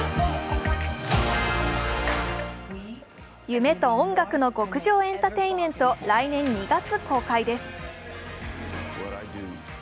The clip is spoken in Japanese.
夢と音楽の極上エンターテインメント、来年２月公開です。